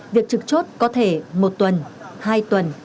việc trực chốt có thể một tuần hai tuần